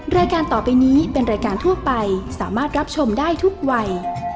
รายการต่อไปนี้เป็นรายการทั่วไปสามารถรับชมได้ทุกวัย